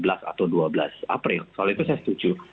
atau dua belas april soal itu saya setuju